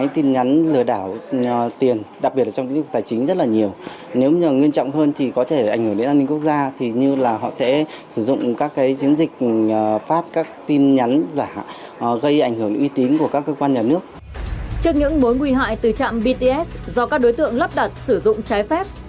trước những mối nguy hại từ trạm bts do các đối tượng lắp đặt sử dụng trái phép